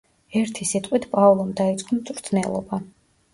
ერთი სიტყვით პაოლომ დაიწყო მწვრთნელობა.